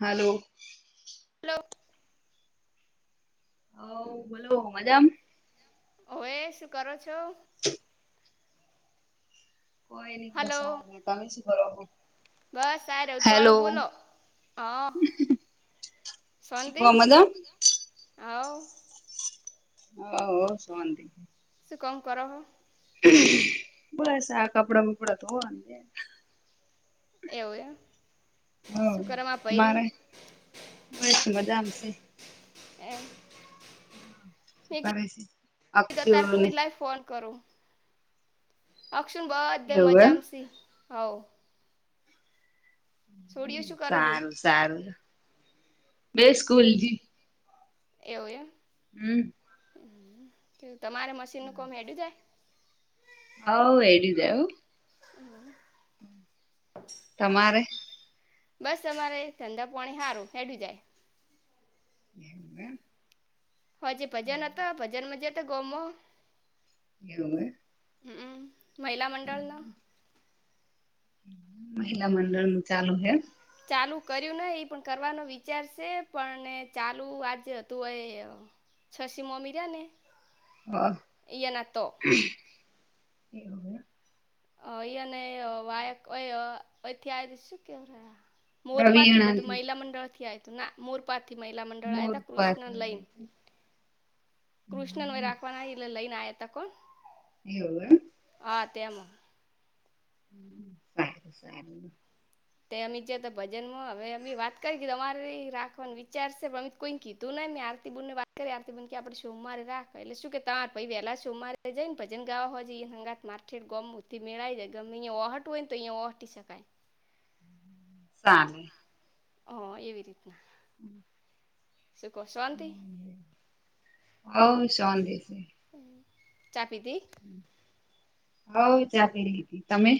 હાલો. Hello. હ બોલો મજામ હવે શું કરો છો. [inaudible] કોઈ નઈ બસ હલો આ બેઠા હોયે સે તમે શું કરો. બસ આ રવ તો હેલો વાળું બોલો હા. મજામ આવ [unintelligible] કભ કણ કર બશ આ કપડા મુપડા ધોવા ન‌ઇ તો આ એવું એમ [inaudible] હ શું કરે મારા ભઈની તમારે બસ મજા માંશે એમ [inaudible] મેં કરે છે. તાર અક્ષુને ફુલાઈ ફોન કરો. અક્ષુણ બધે એવું મજામ સી હોવ. છોડીઓ શું કરે બી સારું સારું બે સ્કૂલ. એવું એમ હું. કે તમારે મશીન નું કોમડ જાય. હવ એડી દેવું. હું. તમારે બસ તમારે ધંધા પોણી સારું હેડું જાય. એ હજી ભજન હતા, ભજન મા ગયાતા હતા, ગમ માં. એવું હે. હું મહિલા મંડળ ના મહિલા મંડળ નું ચાલુ હેમ‌ ચાલુ કર્યું ને એ પણ કરવાનો વિચાર છે પણ ચાલુ આજે હતું એ છશી મોમી રહ્યાને હા એ અને વાય અથી આ શું કેવ રહ મોરપાથી બધું રવિયાણાથી મહિલા મંડળ થી આવ તું ના મોરપા મહિલા મંડળ આવ્યા હતા કૃષ્ણને લઈન મોરપાથી કૃષ્ણને હમ રાખવાના એટલે લઈ ને આયા હતા કોણ. એવું એમ. હા તેમ. [inaudible] સારી તે અમે જ તો ભજનમાં હવે અમે વાત કરી તમારે રાખવાનું વિચારશે પણ અમે કોઈ કીધું ન આરતી બુનને વાત કરી આરતી બેન કે આપણે સોમવારે રાખ એટલે શું કે તા ભાઈ વહેલા સોમવારે જઈને ભજન ગાવા ંગાત માર્કેટ ગમથી [unintelligible] મેળવી જાય ગમે અયા ઓહટ હોય ને તો અહંયા ઓહટી શકાય. ચાલે. હ એવી રીતના. હમ. શું કહો શાંતિ હવ શાંતિ છે. ચા પીધી. હવ ચા પી લીધી તમે.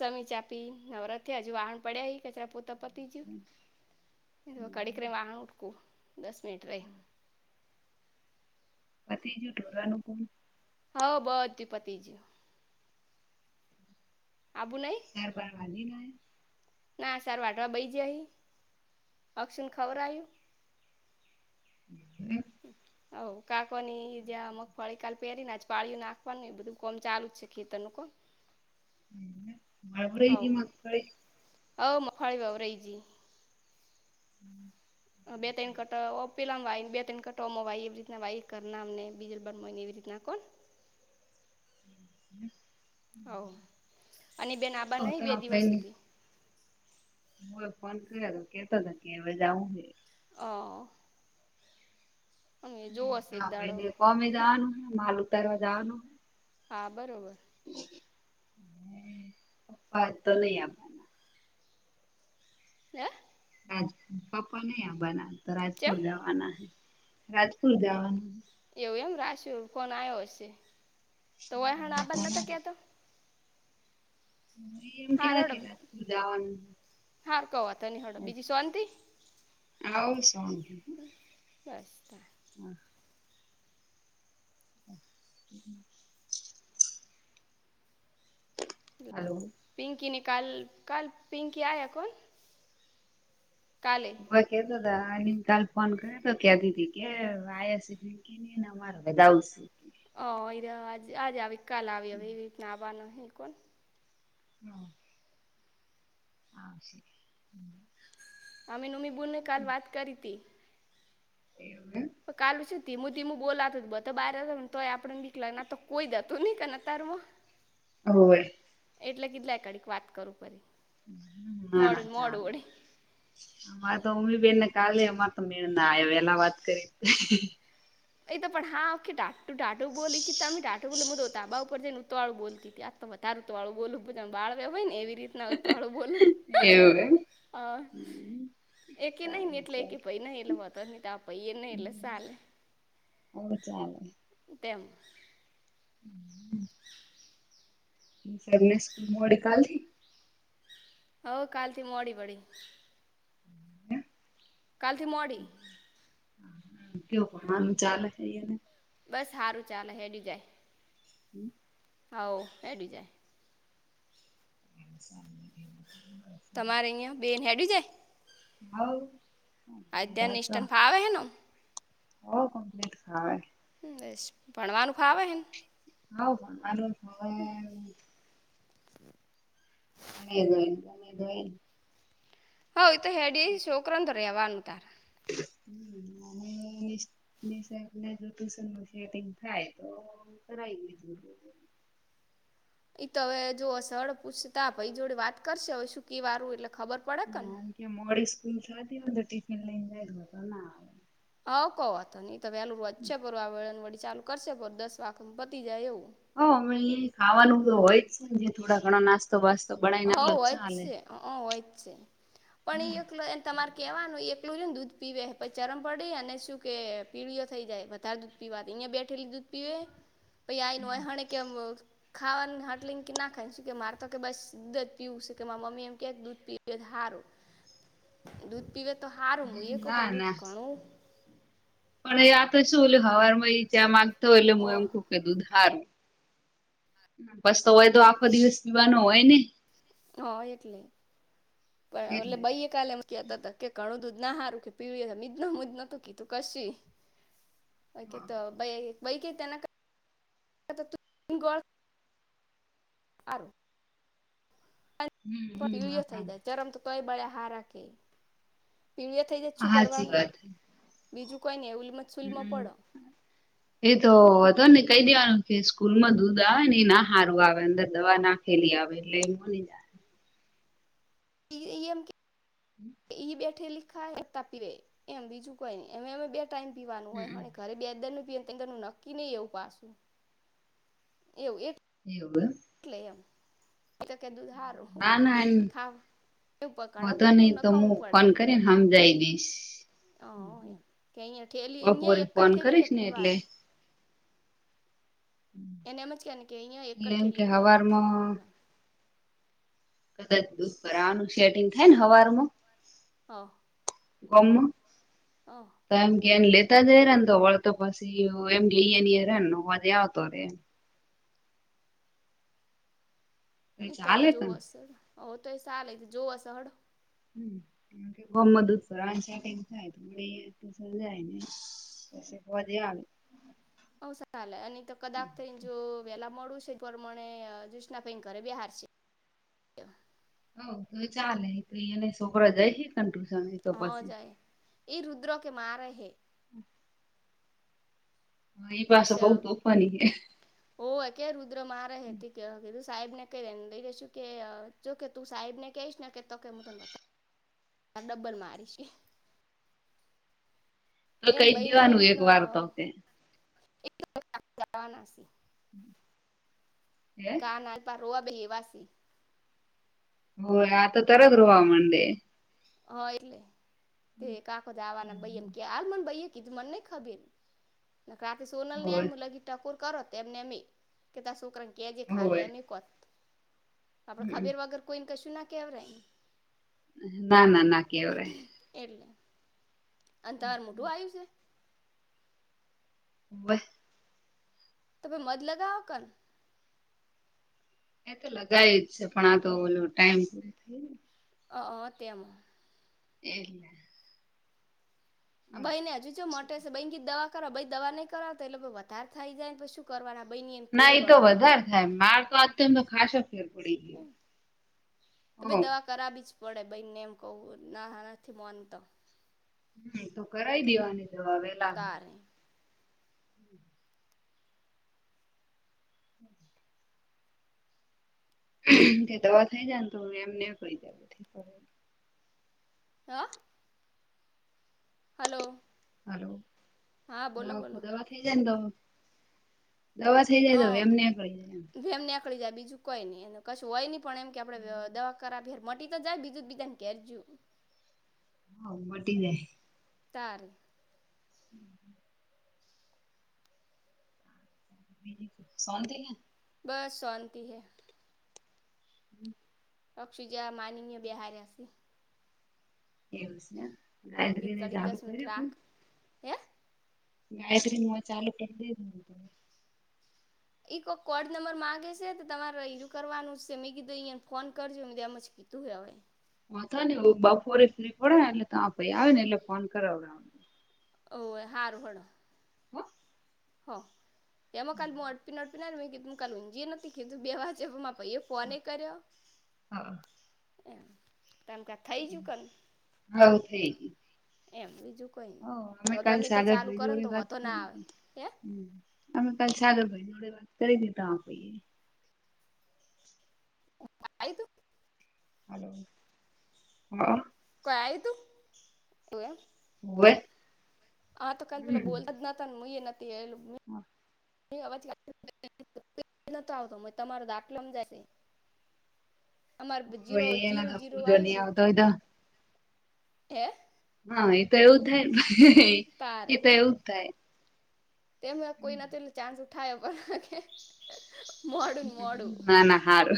સમી ચા પી નવરા થયા હજુ વાહણ પડ્યા ઈ કચરા પોતા બીજું કડીકરે વા દસ મિનટ રહી. પતી ગયું ઢોવાનું પણ. હ બધુ પતિ જીયુ. નઈ હાર બાર માંજી [unintelligible] ના સાર વાટવા બઈ જહી અક્ષુને ખવરાવ્યુ. હમ. હ કાકો ની જ્યાં મગફળી કાલ પહેરી ને પાળીયુ નાખવાનું બધું કોમ ચાલુ જ છે ખેતરનું કોમ. બાબરેથી મગફળી [unintelligible] હા મગફાળી વાવરઈ જઈ. [unintelligible] બે તઈન કટ ઓ પેલામાં વાય બે તણ કટોમ વાય એવી રીતના વાય કર ના ને બીજલ બય ને એવી રીતના કોણ હ હ [inaudible] હો અને બેન આબા હવ નહી બે દિવસ સુધી. હું એ ફોન કર્યા તો કેતો હતા કે હવે જાઉં કે. હા. હા દાડો ભને કોમે જવાનું માલ ઉતારવા જવાનું હા બરોબર. ને પપ્પા તો નહી આપવાના. હે. રાજ પપ્પા નહી આવવાના તો ચેમ રાજપુર જવાના રાજપુર જવાના. એવું એમ રાશ્યું ફોન આવ્યો હશે તો વય હણ આબદ [unintelligible] નતો કે. એમ કં કેલા [unintelligible] જાવાનું. હા તોની હળો બીજી શાંતિ. હવ શણ [unintelligible] બસ. [unintelligible] હ [inaudible] હલો. પિંકીની કાલ કાલ પિંકી આયા કોણ. કાલે બ કે તો ને કાલ ફોન કર્યો તો કેતી તી કે વાયા છેકી નને અમારે વધાવશે. હ એ આજે આવી કાલ આવી હવે એવી રીતના આવવાનું હ કોણ. હમ. હ શ હ અમે નમી બૂલને કાલ વાત કરી હતી એવું એમ પણ કાલ શું ધીમું ધીમું બોલાતું બધ બારને તોય આપડે દીક લાગને તો, કોઈ જુંન તાર હવે એટલે કીધલા કડીક વાત કરું પરી, ના ના ચાલે અમારે તો ઉમ્ી બેનને કાલે અ ત ના વેલા વાત કરી એ તો પણ હા ઓખ ટાટુ ટાટુ બોલી કે તમે ટાટ બા ઉપર જઈને ઉુંતાવાળું બોલતી હતી. આ તો વધારેુંતળું બલું બાળવે હોય ને, એવી રીતનાત વાળું બોલો એવું હ એમ એક નહી સારું એટલે એક સારું પઈ નહ એટલે વા નહ તો આ પઈ એ નહીં, એટલે ચાલે હંગ ચલે તેમમ સરને સ્કૂલ મોડી કલીલી હ કાલથી મોડી પડી હમ કાલથી મોડી કેવું ભણવાનું ચાલે હૈ, એને બસ સારું ચાલે હેડું જાય હમ હઉ એટું જાય [unintelligible] તમારે અહિયાં બેનેડ જાય હવ અધ્યાન નિષ્ટન ભાવે એનો હો કમ્પ્લીટ ખાવ એ ભણવાનું ફાવેને હા પણ મા હવે ભણી ગયને ભણી ગય હવે તો હેડી છોકરા તો ર રહેવાનું તાર, હમ મ ટુશન શેટિંગ થાય તો કરાવી દીધું એઈ તો હવે જોસળ પૂછતા ભાઈ જોડે વાત કરશે હવે શું ક વારું એટલે ખબર પડે ને હમ કે મોડી સ્કૂલ થતી બધ ટીફિન લઈને જાય હતો. હ કહો તો હી તો વહેલું વધશે બ આ વળન વળી ચાલુ કરશે પર દસ વાખ પતી જાય એવું હ અમે ખાવાનું તો હોય જ છે ને જે થોડા ઘણો નાસ્તો બાસ્તો હ બનાવીને આલો તો હોય જ ચાલે છે હોય જ છે હમ પણ એ તમારે કેવાનું એકલું ને દૂધ પીવે પછી ચરમ પડી અને શું કે પીળઓ થઈ જાય વધારે દૂધ પીવાની અહિયાં બેઠેલી દૂધ પીવે. પ આય ન હોય હ કેમ ખાવાનું હટલી કે ના ખાયને શ કે મારે તો કે બસ જ પીવું છે કે મમ્મી એમ ક દૂધ પીવે હારો દૂધ પીવે તો હારમય ક ના પણ દૂધ ના ઘણું પણ આ તો શું એ હવાર માં જ્યા માગતા હોય એટલે હું ઓહ એમ ખું ક દુંધ સારું બસ તો હોય તો આખો દિવસ પીવાનો હોય ને, હા એટલે પણ એટલે બઈ કાલે તા હતા કે ઘણું દુંધ ના હારું કે પીળ મીજ ન હુંજ ન કીધું કશ ઓ કે તો બાકના ગો. આું હમ્મ હમ્મ પીળ થઈ જાય આપડા ચરમ તો તોય બળે હાર રાખ પીળિયા થઈ જત શું હાચી કરવાનું. વાત બીજું કોઈને એવું હમ્મ એતો તોને કહી દેવાનું કે સ્કૂલ માં દૂધ આવે ને ના હારું આવે અંદર દવા ના ખેલી આવે એટલે એ મો [inaudible] પેલી એમ કે ઈ બેઠે લીખાયતા પીવે એમ બીજું કોઈ નહી અ અમે ટાઈમ પીવાનું હમ્મ. હોય ઘરે બે દર ર નું નક્કી નહી એવું પાછું [inaudible] એવું એ એવું એમ એટલે એમ તો કે દુધ સારું ખાવ એવું ઘણા હોતો પડતું નહી તો હું નકાવું પડે ફોન કરીને હમ જાઈ દઈશ. હ એમ કે અહીયા થેલી અહીયા બપોરે એક જ ફોન થેલી કે કરીશ ને પીવા એટલે એને એમ જ કે ને કે અહંયા એક જ એટલે એમ કે ઠેલી પીવાનું વધારે ના હવારમાં પીવાનું કદાચ દુધ ભરવાનું શેટિંગ થાય ને હવારમાં હ. ગોમમાં. હઑ. એ એને લેતા જઈ રા ને તો વળતા પછી એમ લઈ આવીરા તો હોજે આવતો રે એમ. એ તો હવે ચાલે કન જોવસ હોય હલો તો એ ચાલે જોવષ હેડો હમ્મ કારણ કે [unintelligible] ચા થાય તો મળે તો સમજાય. વધયા. હઓ ચાલે અને તો કદાકતરીને જો વેલા મોડું પ્રમાણે ક્રિષ્ના ભાઈ ઘરે બેહાડ છે. હઓ તો ચાલે તો અયાને છોકરા જાય છે ટુશન તો હા પાછી જાય એ રુદ્રો કે મારે હે. [inaudible] ઈ પાછો પછ બઉ તોફાની હે હોવ કે રુદ્ર મારે કીધુ. સાહેબ ને કહીને લઈ રેસુ કે જોકે તું સાહેબ ને કહીશ ને કે તો કે હું તને બતાવ. હ ડબ્બર મારીશ. તો એને કઈ બઈને ને દેવાનું એક વાર તો કે [unintelligible] [inaudible] હે કા ના પર રોવા બેઈએ એવાસ. હોય આ તો તરત જ રોવા મનડે. હા એટલે તે કાખ જ આવાના ભાઈ એમ ક હાલ મને ભાઈ. ધું મને ન ખબેર નખ રાતે સોનલને આ હોવે લ ટકોર કરો એમને એમ કે ત શુકરાણ કેજી હોવે ખાલી એમ કોત આપડ હમ્મ ખબેર વગર કોઈને કશું ના કેવાય. ના ના ના કેવાય. અંધાર મોટું આવ્યું છે. હોવે. તો મધ લગાવો કોન એ તો લગાવ જ છે પણ આ તો ટાઈમ પૂરો થાયને હ હ તેમાં એલે ભાઈ ને હજુ જો મોટે છે ભઈ કી દવા કરાવો ભઈ દવા નઈ કરાવો તો એટલે વધારે થાઇ જાય શું કરવાના બઈની એને ના કુડે એમ એતો વધારે થાય માર તો અત્ય તો ખાસો ફેર પડી ગયો. તો પઇ હો દવા કરાવી જ પડે ભાઈને એમ કહું ના નથી માનતો. હમ્મ તો કરાઈ દેવાની દવા વેલા તારે [inaudible] કે દવા થઇ જાય ને તો એમને કંઈજાય હા હલો હલો હા હ બોલો બોલો ખોદા પા થ થઈ જાય તો દવા થઇ જાય તોવે એમને કરી જાય થઈ જાય બીજું કોઈ નઈ કશું હોય નની પણ એમ કે આપડે દવા કરાવ મટી તો જાય બીજુત બીજાન ઘેરજયું હામટીજાય તાર હમ [inaudible] શાન્તિ હેને બસ શાંત હૈ હમ [inaudible] અક્ષુજા માનીનીય બિહાર્યાસી એવું છે ને હા કીધ ગાયત્રી ને કડીક જાગું દસ મિનિટ કર્યુતુ રાખ હે ગાયત્રી મો ચાલુ કરી દઈ ત એક કોડ નંબર મામાંગે છે તો તમારેયુ કરવાનું છે મેં કીધું અંયાને ફોન કરજો મેતો એમજ કીધુ તું હોય હ તો ને બપોરે ફ્રી પડે ને એટલે તમારા ભાઇ આવે એટલે ફોન કરાવદાઉ ઓવે હાર હણ હ એમ કાલ મો અડપ ન મેં કીધું કાલે ઊંજય નથી કીધું બે વાજેમાં ભાઈ ફોને કર્યો હા એમ તમ કા થઈ ગયું કન હ થઈ ગય એમ બીજું કોઈ નય હવે ગમે તે્યા ચાલુ કર તોય વાંધો ના આવે હે હ અમે ક સાાલો ભાઈ જોડે વાત કરી દીધા ભાઈ આઇ તું હલો હ આઇ તું એવું એમ ઓવે આ તો કાલ પેલો બોલ તનત મુ એ ન હતી એુંલુ બ એ અવાજ [unintelligible] આવતો તમારો દાખલોમ જશે હું એના આપું જ ન આયુ બે આવતા હોય તો હે હા એ તો એવું થાયને એ તારે તો એવું જ થાય તેમ કોઈ નથી ચાન્સ ઉઠાય પણ મોડું ને મોડું ના ના હારુ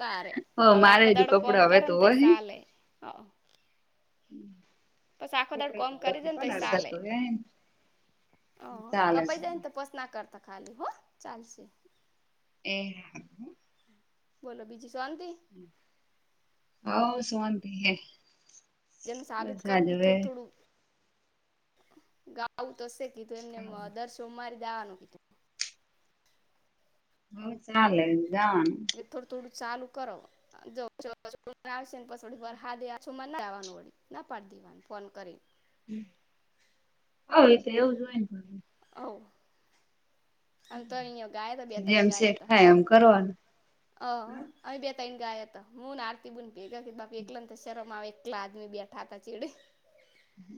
તારે હવે આખો દાડો કોમ કરે ને ત ધોવા હે. સાલે [inaudible] પસ આખો દાડ કોમ કરી દે ને તો કોણ અડધા સાલે ધોયા હે ને ઓ ચાલે કપાઈ ચાલે. જાયને તો પોસ ના કરતા ખાલી હો ચાલશે એ બોલો બીજીું શુ ઔવ શાંતિ હે જેને સાબિત બસ આજ કરું કે હવે થોડું થોડું ગાઉ તોશે કીધું એમને દર સોમવારીજાવાનુ બહ ચાલે જાન કે થોડું થોડું ચાલુ કરો જો [unintelligible] પછ હાેછ ના જવાનુંળી ના પાડી દે દીવાન ફોન કરીે હ એ તો એવું જો હોય ને હ જેમ સેટ થાય એમ કરવાનું હ ને ગયા હતા હું આરતી બ ભેગા બાપી એકલા ને શરમ આવે એકલા આદમી બેઠા હતા ચીડે હ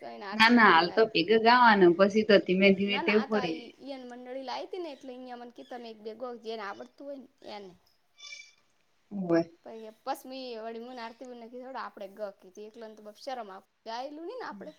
સઈને ના આરતી ના બેન હાલ તો હંગાત ભેગ ગાવાનું પછી તો ધીમે ધીમે ટેવ પડીાય નળી લાવ હતી ને એટલે અહીયા મને ક તમે એક બેગો જેને આવડતું હોય ને એને હોવે પછ બસ મી એ વળી મું નારતી થોડ આપડે ગ કીધી એકલ ને તો શરમ આપ ગાયેલું નહીને આપડે